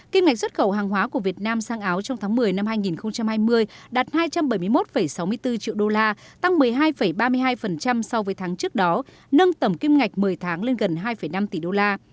kim ngạch xuất khẩu hàng hóa của việt nam sang áo trong tháng một mươi năm hai nghìn hai mươi đạt hai trăm bảy mươi một sáu mươi bốn triệu đô la tăng một mươi hai ba mươi hai so với tháng trước đó nâng tầm kim ngạch một mươi tháng lên gần hai năm tỷ đô la